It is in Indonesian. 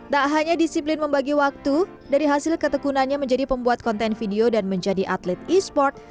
tak hanya disiplin membagi waktu dari hasil ketekunannya menjadi pembuat konten video dan menjadi atlet e sport